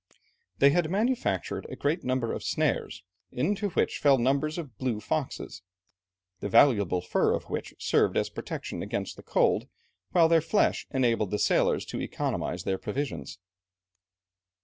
They had manufactured a great number of snares, into which fell numbers of blue foxes, the valuable fur of which served as a protection against cold, while their flesh enabled the sailors to economize their provisions.